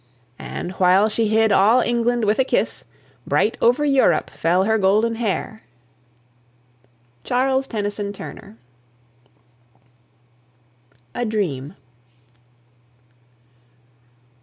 And, while she hid all England with a kiss, Bright over Europe fell her golden hair! CHARLES TENNYSON TURNER. A DREAM.